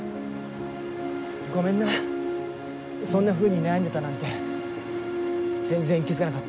ごめんなそんなふうに悩んでたなんて全然気付かなかった。